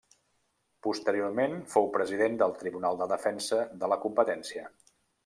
Posteriorment fou President del Tribunal de Defensa de la Competència.